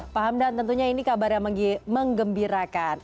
pak hamdan tentunya ini kabar yang mengembirakan